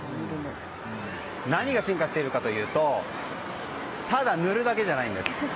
何が進化しているかというとただ塗るだけじゃないんです。